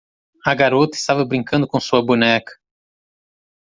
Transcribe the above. A garota estava brincando com sua boneca.